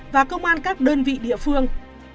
và công an các đơn vị địa phương